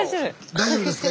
大丈夫ですか？